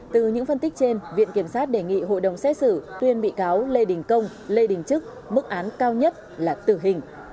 từ những phân tích trên viện kiểm sát đề nghị hội đồng xét xử tuyên bị cáo lê đình công lê đình trức mức án cao nhất là tử hình